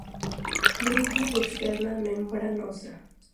Túnica externa membranosa.